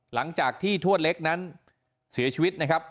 หลังจากที่ทวดเล็กนั้นเสียชีวิตนะครับ